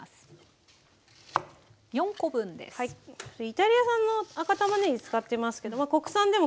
イタリア産の赤たまねぎ使ってますけど国産でも結構です。